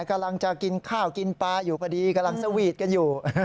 กำลังจะกินข้าวกินปลาอยู่พอดีกำลังสวีทกันอยู่